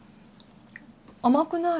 甘くない。